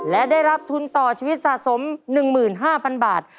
และได้รับทุนต่อชีวิตสะสม๑๕๐๐๐บาท